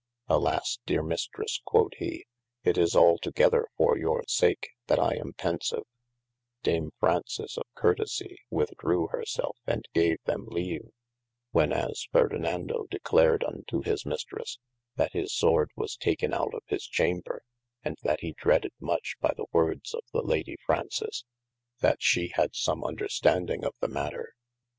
Alas deere mistresse quod he, it is altogether for your sake, that I am pensife : Dame Fraunces of courtesie with drewe hir selfe and gave them leave, when as Ferdinado declared unto his Mistres, that his sworde was taken out of his chamber, and that he dreaded much by the wordes of the Lady Fraunces, that she had some understanding of the mater.